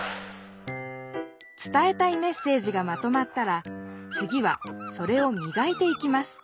伝えたいメッセージがまとまったらつぎはそれをみがいていきます。